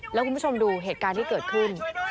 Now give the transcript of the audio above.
แล้วคุณผู้ชมดูเหตุการณ์ที่เกิดขึ้น